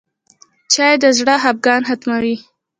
چای د زړه خفګان ختموي.